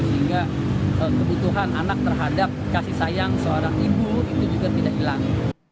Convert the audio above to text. sehingga kebutuhan anak terhadap kasih sayang seorang ibu itu juga tidak hilang